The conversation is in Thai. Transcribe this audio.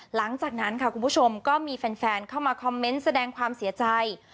หลังจากนั้นค่ะคุณผู้ชมก็มีแฟนเข้ามาคอมเมนต์แสดงความเสียใจ